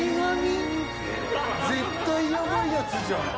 絶対やばいやつじゃん。